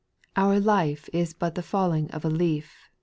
269 Our life is but the fulling of a leaf.